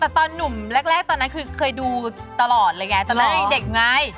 แต่ตอนหนุ่มแรกตอนนั้นคือเคยดูตลอดเลยไงตอนแรกยังเด็กไง